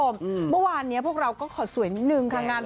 เมื่อวานพวกเราก็สวยนึง